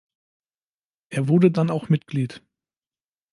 Er wurde dann auch Mitglied.